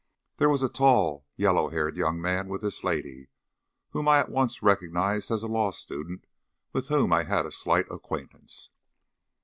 There was a tall, yellow haired young man with this lady, whom I at once recognised as a law student with whom I had a slight acquaintance.